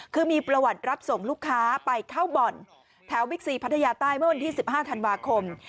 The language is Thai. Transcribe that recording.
คือมีประวัติรับส่งลูกค้าไปเข้าบ่อนแถวบิ๊กซีพัทยาใต้เมื่อวันที่๑๕ธันวาคม